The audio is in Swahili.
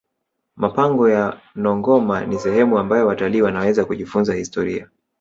mapango ya nongoma ni sehemu ambayo watalii wanaweza kujifunza historia